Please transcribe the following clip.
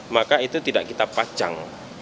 maka itu tidak kita pacang